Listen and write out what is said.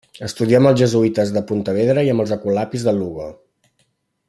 Estudià amb els jesuïtes de Pontevedra i amb els escolapis de Lugo.